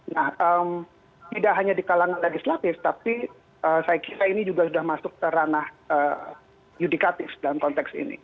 nah tidak hanya di kalangan lagi slavik tapi saya kira ini juga sudah masuk teranah yudikatif dalam konteks ini